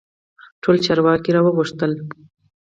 ټول چارواکي را وغوښتل.